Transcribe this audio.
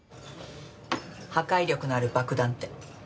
破壊力のある爆弾って。